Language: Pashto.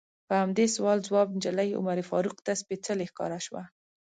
په همدې سوال ځواب نجلۍ عمر فاروق ته سپیڅلې ښکاره شوه.